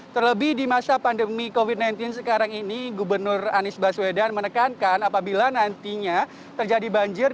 terlebih di masa pandemi covid sembilan belas sekarang ini gubernur anies baswedan menekankan apabila nantinya terjadi banjir